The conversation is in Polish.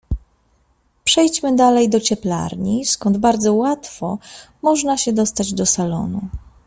"Przejdźmy dalej do cieplarni, skąd bardzo łatwo można się dostać do salonu."